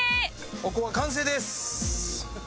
おこわ完成です！